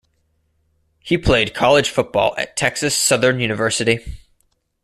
He played college football at Texas Southern University.